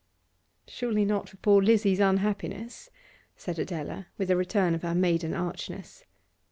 'Surely not for poor Lizzie's unhappiness!' said Adela, with a return of her maiden archness.